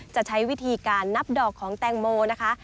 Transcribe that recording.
จะใช้วิธีการนับดอกของแตงโมนะคะ